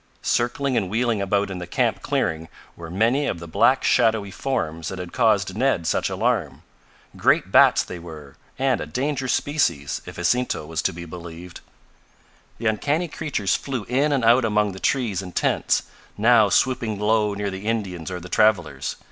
Circling and wheeling about in the camp clearing were many of the black shadowy forms that had caused Ned such alarm. Great bats they were, and a dangerous species, if Jacinto was to be believed. The uncanny creatures flew in and out among the trees and tents, now swooping low near the Indians or the travelers.